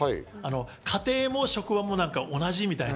家庭も職場も同じみたいな。